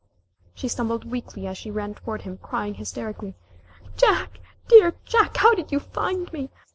She stumbled weakly as she ran toward him, crying hysterically, "Jack, dear Jack, how did you find me?